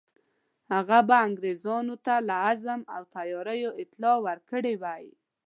هغه به انګرېزانو ته له عزم او تیاریو اطلاع ورکړې وای.